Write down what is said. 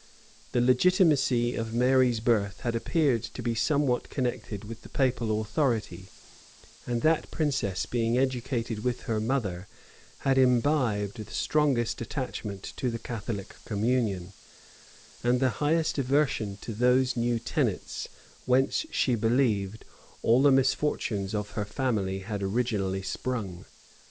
The legitimacy of Mary's birth had appeared to be somewhat connected with the papal authority; and that princess being educated with her mother, had imbibed the strongest attachment to the Catholic communion, and the highest aversion to those new tenets, whence, she believed, all the misfortunes of her family had originally sprung.